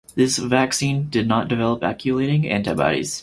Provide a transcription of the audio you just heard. This vaccine did not develop agglutinating antibodies.